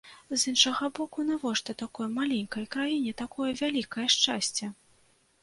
З іншага боку, навошта такой маленькай краіне такое вялікае шчасце?